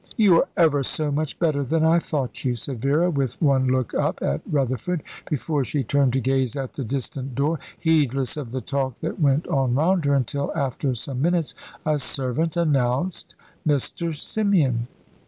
"You are ever so much better than I thought you," said Vera, with one look up at Rutherford, before she turned to gaze at the distant door, heedless of the talk that went on round her, until after some minutes a servant announced "Mr. Symeon."